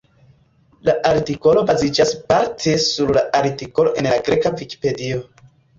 La artikolo baziĝas parte sur la artikolo en la greka Vikipedio.